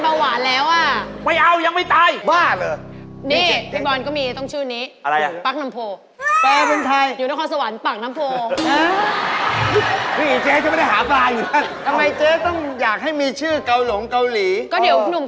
ถ้าน้าเราไปกินหน่อยมีปล่องด้วย